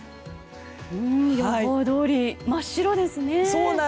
予報どおり真っ白ですね。